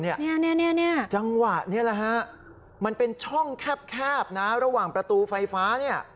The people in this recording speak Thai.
เนี่ยจังหวะนี้แหละฮะมันเป็นช่องแคบนะระหว่างประตูไฟฟ้าเนี่ย